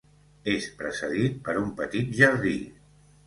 És precedit per un petit jardí.